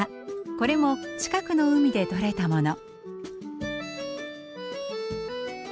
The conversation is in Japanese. これも近くの海でとれたもの。